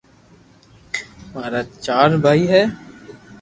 مارا چار ڀائي ھي